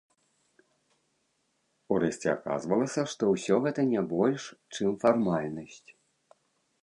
Урэшце аказвалася, што ўсё гэта не больш, чым фармальнасць.